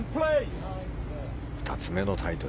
２つ目のタイトル